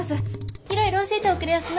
いろいろ教えておくれやすな。